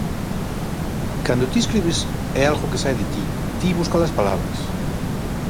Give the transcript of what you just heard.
Cando ti escribes é algo que sae de ti, ti buscas as palabras.